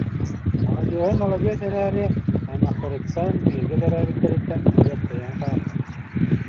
Маладьыаһын маладьыас эрээри, аймахтарыттан, бииргэ төрөөбүттэриттэн адьас тэйэн хаалла